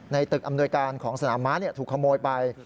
ตึกอำนวยการของสนามม้าถูกขโมยไป